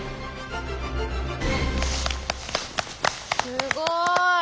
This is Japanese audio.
すごい！